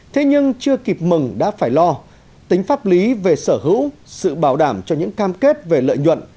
thế nhưng chưa kịp mừng đã phải lo tính pháp lý về sở hữu sự bảo đảm cho những cam kết về lợi nhuận